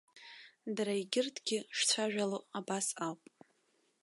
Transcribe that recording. Дара егьырҭгьы шцәажәало абас ауп.